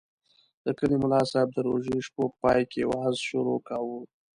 د کلي ملاصاحب د روژې شپو پای کې وعظ شروع کاوه.